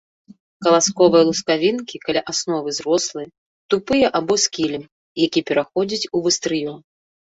Каласковыя лускавінкі каля асновы зрослыя, тупыя або з кілем, які пераходзіць у вастрыё.